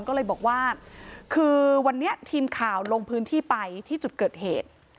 ก็เลยบอกว่าคือวันนี้ทีมข่าวลงพื้นที่ไปที่จุดเกิดเหตุ